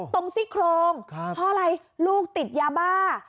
ตรงซิกโครงครับเพราะอะไรลูกติดยาบ้า